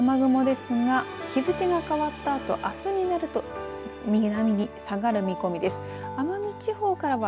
この雨雲ですが日付が変わったあとあすになると南に下がる見込みです。